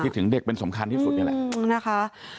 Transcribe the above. ถึงเด็กเป็นสำคัญที่สุดนี่แหละนะคะ